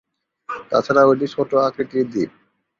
তাছাড়াও এটি ছোট আকৃতির দ্বীপ।